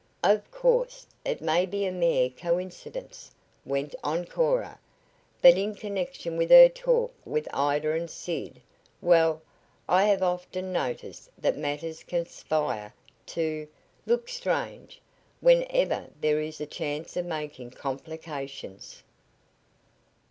"Of course, it may be a mere coincidence," went on Cora, "but in connection with her talk with Ida and Sid well, I have often noticed that matters conspire to `look strange' whenever there is a chance of making complications."